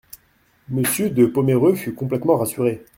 Monsieur de Pomereux fut complètement rassuré.